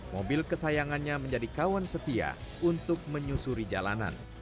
mobil kesayangannya menjadi kawan setia untuk menyusuri jalanan